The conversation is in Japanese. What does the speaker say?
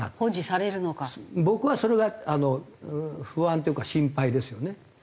僕はそれが不安っていうか心配ですよね。